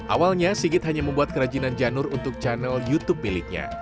awalnya sigit hanya membuat kerajinan janur untuk channel youtube miliknya